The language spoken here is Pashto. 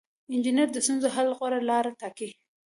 انجینر د ستونزې د حل غوره لاره ټاکي.